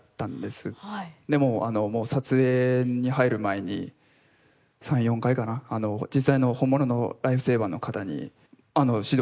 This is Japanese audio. でも撮影に入る前に３４回かな本物のライフセーバーの方に指導いただいて。